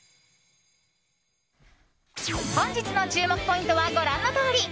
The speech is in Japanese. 本日の注目ポイントはご覧のとおり。